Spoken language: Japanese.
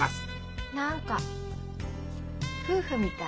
何か夫婦みたい。